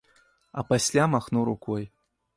А пасля махнуў рукой.